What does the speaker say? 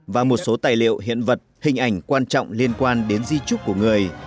và một số tài liệu hiện vật hình ảnh quan trọng liên quan đến di trúc của người